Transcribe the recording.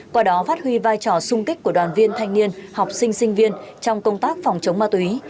qua đó phát huy vai trò sung kích của đoàn viên thanh niên học sinh sinh viên trong công tác phòng chống ma túy